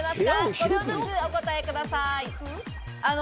５秒ずつお答えください。